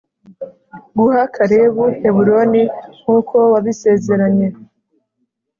guha Kalebu Heburoni nk uko wabisezeranye